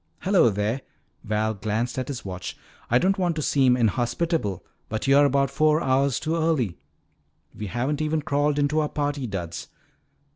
"Hello there." Val glanced at his watch. "I don't want to seem inhospitable, but you're about four hours too early. We haven't even crawled into our party duds."